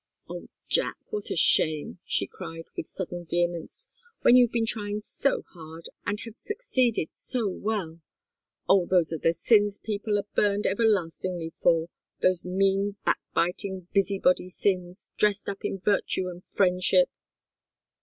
Oh, Jack, what a shame!" she cried, with sudden vehemence. "When you've been trying so hard, and have succeeded so well! Oh those are the sins people are burned everlastingly for those mean, back biting, busy body sins, dressed up in virtue and friendship!"